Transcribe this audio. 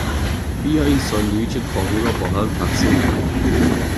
بیا این ساندویچ کاهو را باهم تقسیم کنیم.